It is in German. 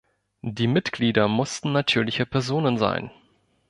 Die Mitglieder mussten natürliche Personen sein.